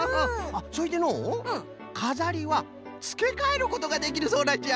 それでのうかざりはつけかえることができるそうなんじゃ。